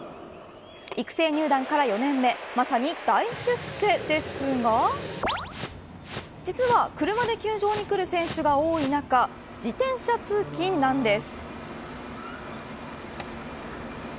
育成入団から４年目まさに大出世ですが実は車で球場に来る選手が多い中自転車通勤なんです。